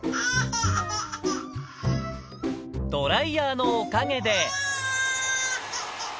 ドライヤーのおかげで。